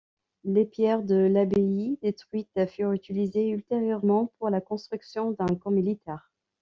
Les pierres de l'abbaye détruite furent utilisées ultérieurement pour la construction d'un camp militaire.